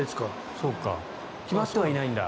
決まってはいないんだ。